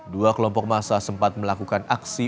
dua kelompok masa sempat melakukan aksi